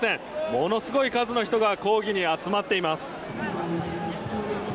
ものすごい数の人が抗議に集まっています。